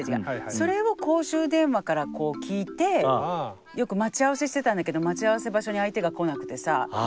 それを公衆電話からこう聞いてよく待ち合わせしてたんだけど待ち合わせ場所に相手が来なくてさあ。